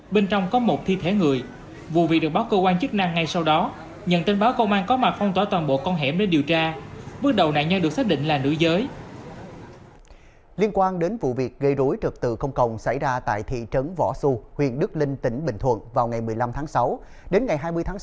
bên trong có một thi thể người vụ việc được báo cơ quan chức năng ngay sau đó